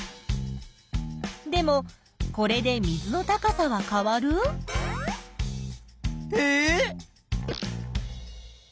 でもこれで水の高さは変わる？えっ？